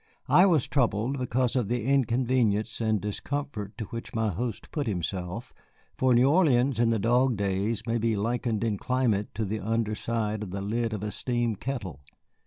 I was troubled because of the inconvenience and discomfort to which my host put himself, for New Orleans in the dog days may be likened in climate to the under side of the lid of a steam kettle.